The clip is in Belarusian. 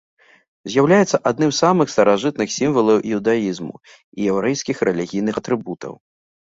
З'яўляецца адным з самых старажытных сімвалаў іўдаізму і яўрэйскіх рэлігійных атрыбутаў.